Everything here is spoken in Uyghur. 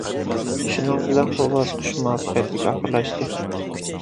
شۇنىڭ بىلەن بۇ باسقۇچ مۇۋەپپەقىيەتلىك ئاخىرلاشتى.